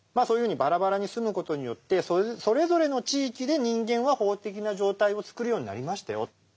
そういうふうにばらばらに住む事によってそれぞれの地域で人間は法的な状態を作るようになりましたよ。